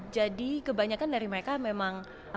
jadi kebanyakan dari mereka memang